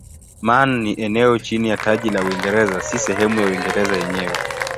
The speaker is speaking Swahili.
Man ni eneo chini ya taji la Uingereza si sehemu ya Uingereza yenyewe.